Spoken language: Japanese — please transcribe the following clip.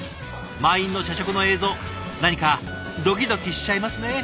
満員の社食の映像何かドキドキしちゃいますね。